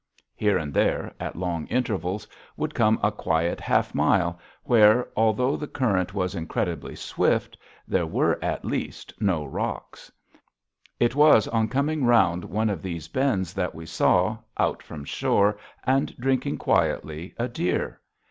Here and there, at long intervals, would come a quiet half mile where, although the current was incredibly swift, there were, at least, no rocks. It was on coming round one of these bends that we saw, out from shore and drinking quietly, a deer.